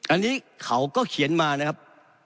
อันนี้เขาก็เขียนมานะครับ